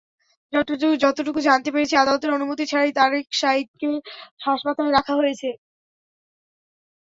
যতটুকু জানতে পেরেছি, আদালতের অনুমতি ছাড়াই তারেক সাঈদকে হাসপাতালে রাখা হয়েছে।